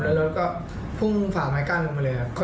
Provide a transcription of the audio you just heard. แล้วรถก็พุ่งฝ่าไม้กั้นลงมาเลยครับ